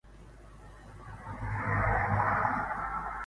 The story was originally serialized in the Shinchosha magazine "Yom yom".